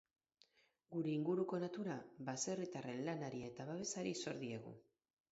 Gure inguruko natura baserritarren lanari eta babesari zor diegu.